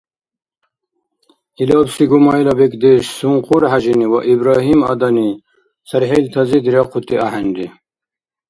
Илабси гумайла бекӏдеш Сункъур-Хӏяжини ва Ибрагьим-адани цархӏилтази дирахъути ахӏенри.